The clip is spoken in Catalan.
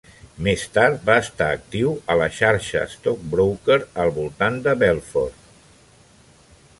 Més tard va estar actiu a la xarxa Stockbroker al voltant de Belfort.